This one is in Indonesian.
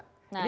nah itu dia